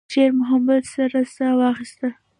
شېرمحمد سړه ساه واخيسته.